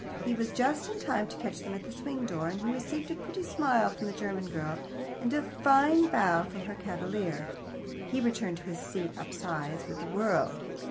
He was just in time to catch them at the swing door, and he received a pretty smile from the German girl and a fine bow from her cavalier. He returned to his seat up sides with the world.